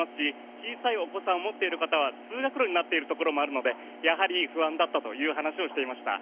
小さいお子さんを持っている方は通学路になっているところもあるのでやはり、不安だったという話をしていました。